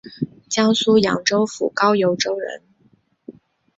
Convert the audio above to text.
江苏扬州府高邮州人。